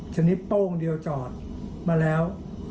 ชนิดโป้งเดียวจอดมาแล้ว